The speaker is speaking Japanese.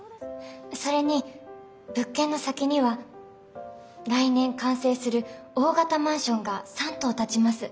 それに物件の先には来年完成する大型マンションが３棟建ちます。